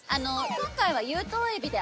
今回は有頭エビで。